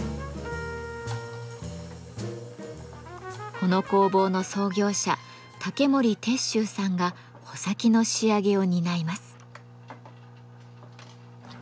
この工房の創業者竹森鉄舟さんが穂先の仕上げを担います。